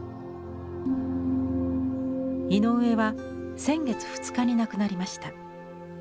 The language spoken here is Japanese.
井上は先月２日に亡くなりました。